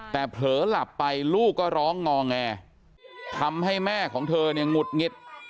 แต่เผลอหลับไปลูกก็ร้องงอแงทำให้แม่ของเธอเนี่ยหงุดหงิด